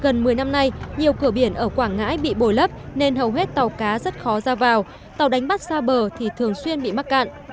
gần một mươi năm nay nhiều cửa biển ở quảng ngãi bị bồi lấp nên hầu hết tàu cá rất khó ra vào tàu đánh bắt xa bờ thì thường xuyên bị mắc cạn